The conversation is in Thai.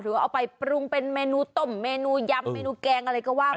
ว่าเอาไปปรุงเป็นเมนูต้มเมนูยำเมนูแกงอะไรก็ว่า